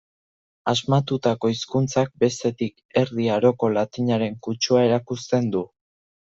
Asmatutako hizkuntzak, bestetik, Erdi Aroko latinaren kutsua erakusten du.